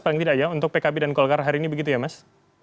paling tidak ya untuk pkb dan golkar hari ini begitu ya mas